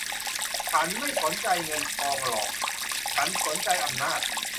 ฉันไม่สนใจเงินทองหรอก ฉันสนใจอำนาจ